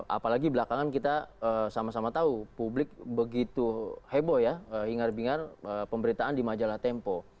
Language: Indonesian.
apalagi belakangan kita sama sama tahu publik begitu heboh ya hingar bingar pemberitaan di majalah tempo